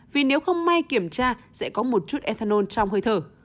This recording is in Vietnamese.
vì nếu không may kiểm tra sẽ có một chút ethanol trong hơi thở